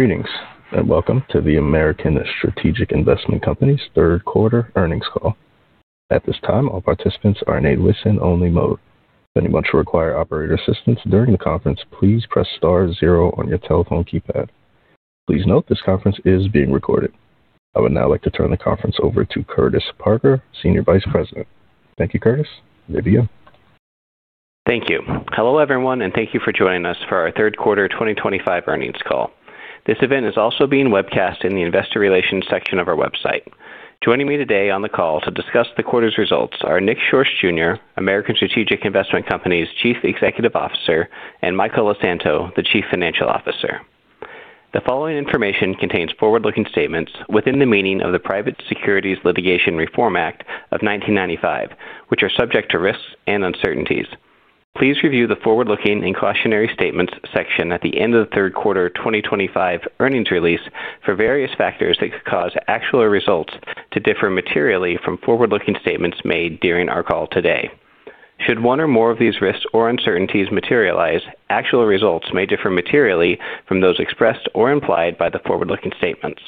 Greetings and welcome to the American Strategic Investment Company's third quarter earnings call. At this time, all participants are in a listen-only mode. If anyone should require operator assistance during the conference, please press star zero on your telephone keypad. Please note this conference is being recorded. I would now like to turn the conference over to Curtis Parker, Senior Vice President. Thank you, Curtis. Good to be here. Thank you. Hello, everyone, and thank you for joining us for our third quarter 2025 earnings call. This event is also being webcast in the investor relations section of our website. Joining me today on the call to discuss the quarter's results are Nick Schorsch, Jr., American Strategic Investment Company's Chief Executive Officer, and Michael LeSanto, the Chief Financial Officer. The following information contains forward-looking statements within the meaning of the Private Securities Litigation Reform Act of 1995, which are subject to risks and uncertainties. Please review the forward-looking and cautionary statements section at the end of the third quarter 2025 earnings release for various factors that could cause actual results to differ materially from forward-looking statements made during our call today. Should one or more of these risks or uncertainties materialize, actual results may differ materially from those expressed or implied by the forward-looking statements.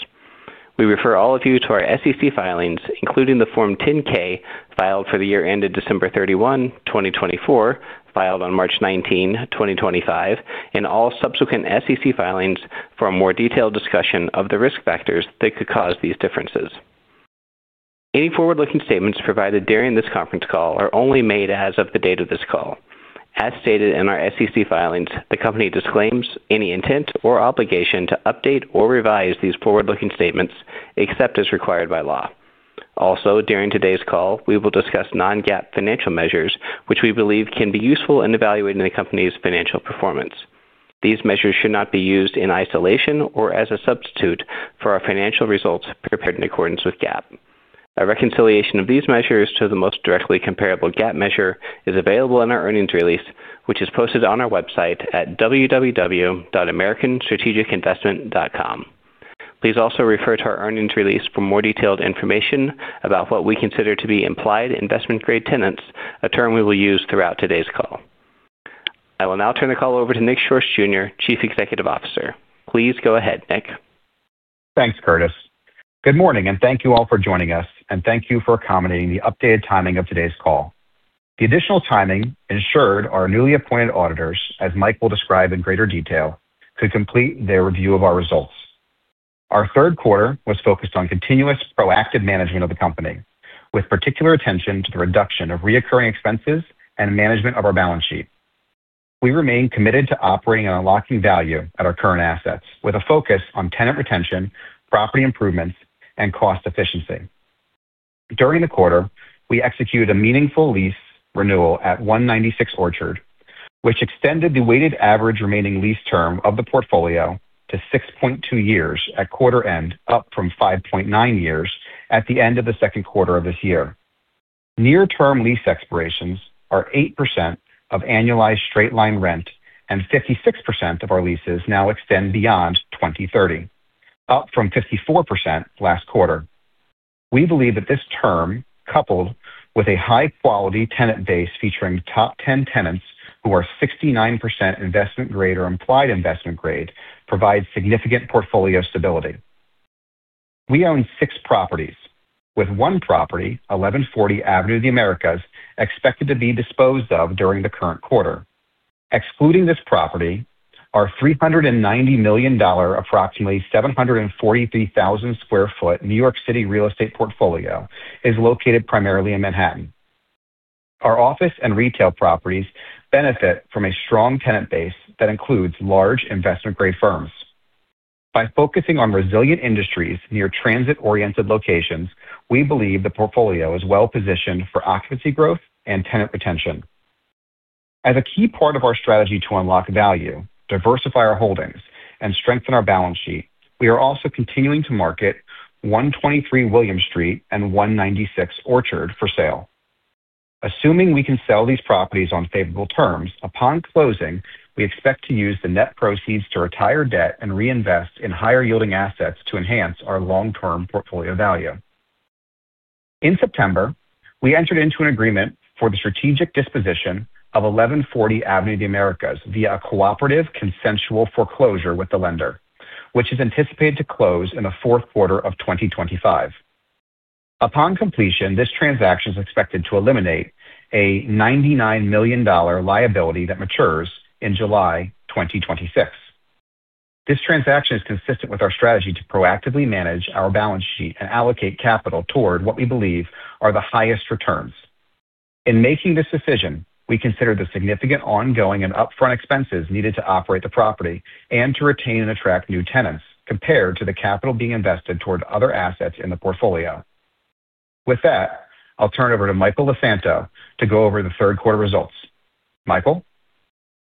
We refer all of you to our SEC filings, including the Form 10-K filed for the year ended December 31, 2024, filed on March 19, 2025, and all subsequent SEC filings for a more detailed discussion of the risk factors that could cause these differences. Any forward-looking statements provided during this conference call are only made as of the date of this call. As stated in our SEC filings, the company disclaims any intent or obligation to update or revise these forward-looking statements except as required by law. Also, during today's call, we will discuss non-GAAP financial measures, which we believe can be useful in evaluating the company's financial performance. These measures should not be used in isolation or as a substitute for our financial results prepared in accordance with GAAP. A reconciliation of these measures to the most directly comparable GAAP measure is available in our earnings release, which is posted on our website at www.americanstrategicinvestment.com. Please also refer to our earnings release for more detailed information about what we consider to be implied investment-grade tenants, a term we will use throughout today's call. I will now turn the call over to Nick Schorsch, Jr., Chief Executive Officer. Please go ahead, Nick. Thanks, Curtis. Good morning, and thank you all for joining us, and thank you for accommodating the updated timing of today's call. The additional timing ensured our newly appointed auditors, as Michael will describe in greater detail, could complete their review of our results. Our third quarter was focused on continuous proactive management of the company, with particular attention to the reduction of recurring expenses and management of our balance sheet. We remain committed to operating on unlocking value at our current assets, with a focus on tenant retention, property improvements, and cost efficiency. During the quarter, we executed a meaningful lease renewal at 196 Orchard, which extended the weighted average remaining lease term of the portfolio to 6.2 years at quarter end, up from 5.9 years at the end of the second quarter of this year. Near-term lease expirations are 8% of annualized straight-line rent, and 56% of our leases now extend beyond 2030, up from 54% last quarter. We believe that this term, coupled with a high-quality tenant base featuring top 10 tenants who are 69% investment-grade or implied investment-grade, provides significant portfolio stability. We own six properties, with one property, 1140 Avenue Americas, expected to be disposed of during the current quarter. Excluding this property, our $390 million, approximately 743,000 sq ft New York City real estate portfolio is located primarily in Manhattan. Our office and retail properties benefit from a strong tenant base that includes large investment-grade firms. By focusing on resilient industries near transit-oriented locations, we believe the portfolio is well-positioned for occupancy growth and tenant retention. As a key part of our strategy to unlock value, diversify our holdings, and strengthen our balance sheet, we are also continuing to market 123 Williams Street and 196 Orchard for sale. Assuming we can sell these properties on favorable terms, upon closing, we expect to use the net proceeds to retire debt and reinvest in higher-yielding assets to enhance our long-term portfolio value. In September, we entered into an agreement for the strategic disposition of 1140 Avenue Americas via a cooperative consensual foreclosure with the lender, which is anticipated to close in the fourth quarter of 2025. Upon completion, this transaction is expected to eliminate a $99 million liability that matures in July 2026. This transaction is consistent with our strategy to proactively manage our balance sheet and allocate capital toward what we believe are the highest returns. In making this decision, we consider the significant ongoing and upfront expenses needed to operate the property and to retain and attract new tenants, compared to the capital being invested toward other assets in the portfolio. With that, I'll turn it over to Michael LeSanto to go over the third quarter results. Michael.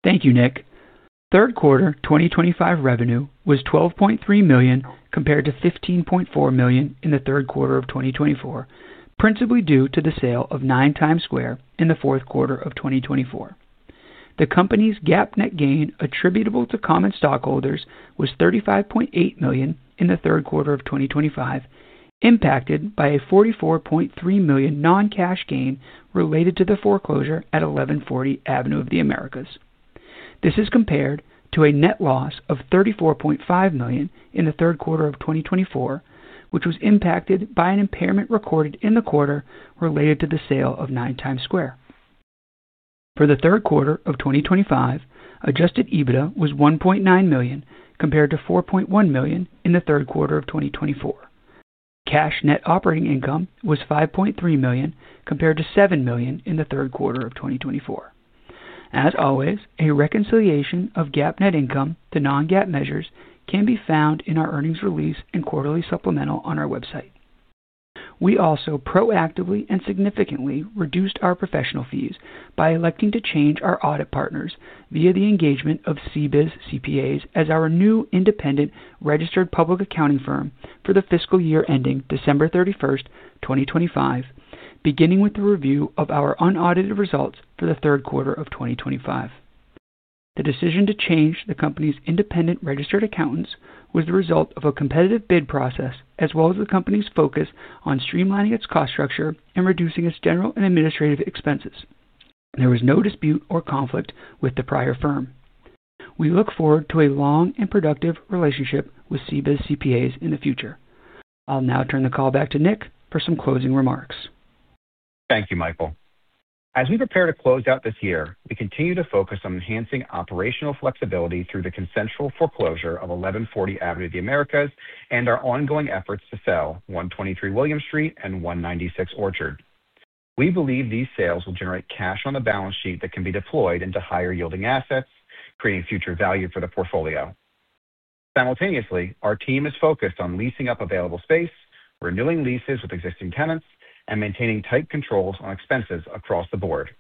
Thank you, Nick. Third quarter 2025 revenue was $12.3 million compared to $15.4 million in the third quarter of 2024, principally due to the sale of 9 Times Square in the fourth quarter of 2024. The company's GAAP net gain attributable to common stockholders was $35.8 million in the third quarter of 2025, impacted by a $44.3 million non-cash gain related to the foreclosure at 1140 Avenue of the Americas. This is compared to a net loss of $34.5 million in the third quarter of 2024, which was impacted by an impairment recorded in the quarter related to the sale of 9 Times Square. For the third quarter of 2025, adjusted EBITDA was $1.9 million, compared to $4.1 million in the third quarter of 2024. Cash net operating income was $5.3 million, compared to $7 million in the third quarter of 2024. As always, a reconciliation of GAAP net income to non-GAAP measures can be found in our earnings release and quarterly supplemental on our website. We also proactively and significantly reduced our professional fees by electing to change our audit partners via the engagement of CBIZ CPAs as our new independent registered public accounting firm for the fiscal year ending December 31st, 2025, beginning with the review of our unaudited results for the third quarter of 2025. The decision to change the company's independent registered accountants was the result of a competitive bid process, as well as the company's focus on streamlining its cost structure and reducing its general and administrative expenses. There was no dispute or conflict with the prior firm. We look forward to a long and productive relationship with CBIZ CPAs in the future. I'll now turn the call back to Nick for some closing remarks. Thank you, Michael. As we prepare to close out this year, we continue to focus on enhancing operational flexibility through the consensual foreclosure of 1140 Avenue Americas and our ongoing efforts to sell 123 Williams Street and 196 Orchard. We believe these sales will generate cash on the balance sheet that can be deployed into higher-yielding assets, creating future value for the portfolio. Simultaneously, our team is focused on leasing up available space, renewing leases with existing tenants, and maintaining tight controls on expenses across the board.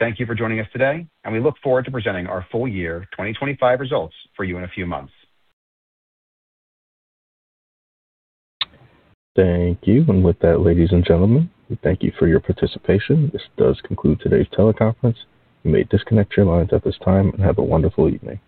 Thank you for joining us today, and we look forward to presenting our full year 2025 results for you in a few months. Thank you. With that, ladies and gentlemen, we thank you for your participation. This does conclude today's teleconference. You may disconnect your lines at this time and have a wonderful evening.